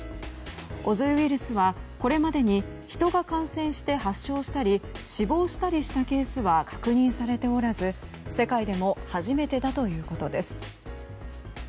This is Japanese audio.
オズウイルスはこれまでにヒトが感染して発症したり死亡したりしたケースは確認されておらず、世界でも初めてだということです。